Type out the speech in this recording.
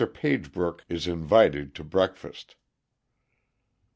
Pagebrook is invited to Breakfast.